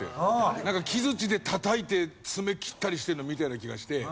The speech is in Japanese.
なんか木づちでたたいて爪切ったりしてるのを見たような気がして。